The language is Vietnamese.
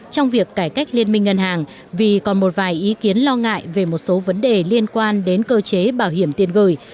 trong việc cải cách liên minh ngân hàng vì còn một vài ý kiến lo ngại về một số vấn đề liên quan đến cơ chế bảo hiểm tiền gửi